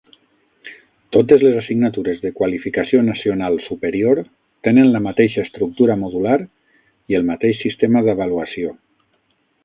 Totes les assignatures de Qualificació Nacional Superior tenen la mateixa estructura modular i el mateix sistema d'avaluació.